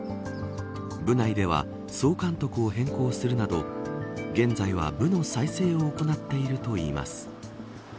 部内では、総監督を変更するなど現在では、部の再生を行っているといいます。